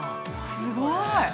すごい。